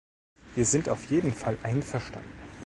Wir sind auf jeden Fall einverstanden.